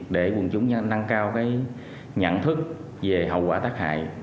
để quần chúng nâng cao nhận thức về hậu quả tác hại